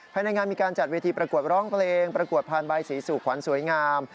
ภายในงานมีการจัดเวทีประกวดร้องเพลงประกวดผ่านใบสีสู่ขวัญสวยงาม